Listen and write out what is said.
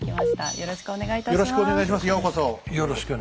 よろしくお願いします